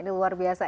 ini luar biasa